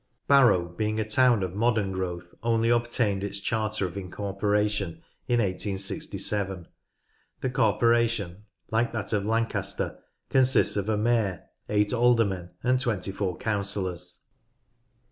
Barrow, being a town of modern growth, only obtained its charter of incorporation in 1867. The corporation, like that of Lancaster, consists of a Mayor, eight alder men, and twenty four councillors.